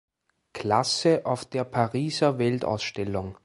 Klasse auf der Pariser Weltausstellung.